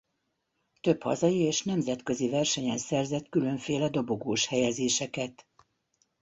Több hazai és nemzetközi versenyen szerzett különféle dobogós helyezéseket.